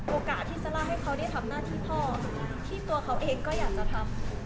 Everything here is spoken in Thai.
โอกาสที่ซาร่าให้เขาได้ทำหน้าที่พ่อที่ตัวเขาเองก็อยากจะทำ